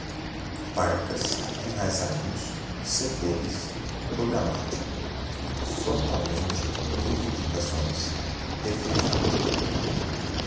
Barcas, enraizarmos, setores, programático, frontalmente, reivindicações, referiam